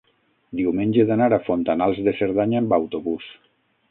diumenge he d'anar a Fontanals de Cerdanya amb autobús.